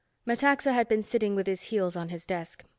Metaxa had been sitting with his heels on his desk.